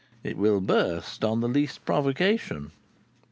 It will burst on the least provocation.